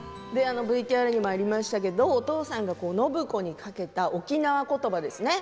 ＶＴＲもありましたけれどお父さんが暢子にかけた沖縄ことばですね。